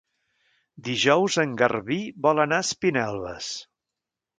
Dijous en Garbí vol anar a Espinelves.